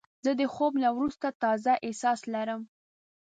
زه د خوب نه وروسته تازه احساس لرم.